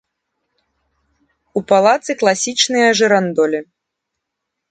У палацы класічныя жырандолі.